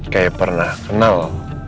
kayak pernah kenal